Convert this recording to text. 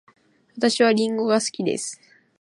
私はりんごが好きです。